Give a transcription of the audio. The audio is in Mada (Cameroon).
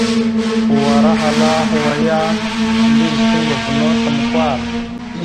Hwar ahala hwa ya, mbiyez toŋgov no atam Kwal.